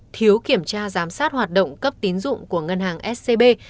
thiếu kiểm tra giám sát hoạt động cấp tín dụng của ngân hàng scb